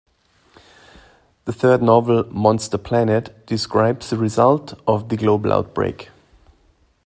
The third novel, "Monster Planet", describes the results of the global outbreak.